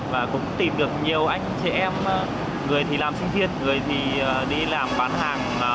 và cũng tìm được nhiều anh chị em người thì làm sinh viên người thì đi làm bán hàng